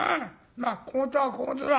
まあ小言は小言だ。